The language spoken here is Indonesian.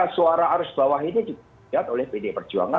suara arus bawah ini dilihat oleh pdi perjuangan